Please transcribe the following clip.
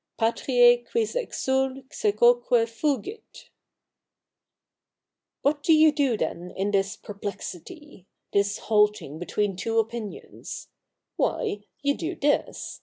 Patrice, qiiis exsul se quoque fugit ?* What do you do then in this perplexity — this halting between two opinions? Why, you do this.